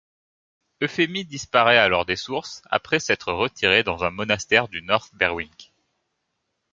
Euphémie disparaît alors des sources, après s'être retirée dans un monastère du North Berwick.